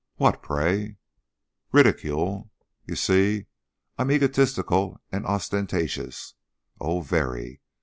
"What, pray?" "Ridicule! You see, I'm egotistical and ostentatious. Oh, very!